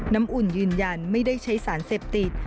น้ำอุ่นยืนยันไม่ได้ใช้สารเสพติด